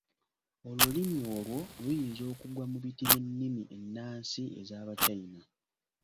Olulimi olwo luyinza okugwa mu biti by'ennimi ennansi ez'abachina.